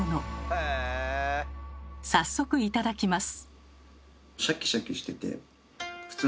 早速頂きます。